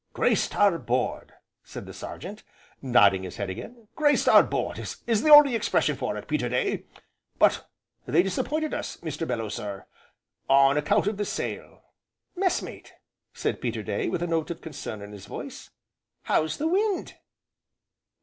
"'Graced our board,'" said the Sergeant, nodding his head again, "'graced our board,' is the only expression for it, Peterday. But they disappointed us, Mr. Bellew, sir, on account of the sale." "Messmate," said Peterday, with a note of concern in his voice, "how's the wind?"